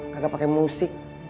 kaga pake musik